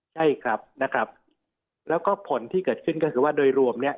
ใช่ครับนะครับแล้วก็ผลที่เกิดขึ้นก็คือว่าโดยรวมเนี่ย